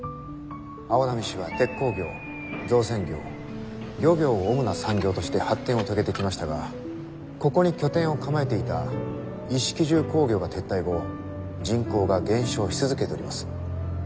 青波市は鉄鋼業造船業漁業を主な産業として発展を遂げてきましたがここに拠点を構えていた一色重工業が撤退後人口が減少し続けております。